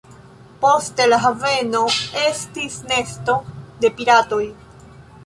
Poste la haveno estis nesto de piratoj.